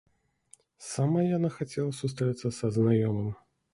Сама яна хацела сустрэцца са знаёмым.